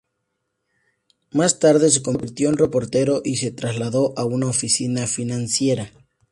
Más tarde se convirtió en reportero y se trasladó a una oficina financiera.